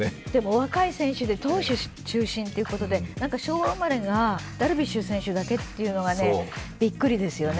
若い選手で投手中心ということで何か昭和生まれがダルビッシュ選手だけというのがビックリですよね。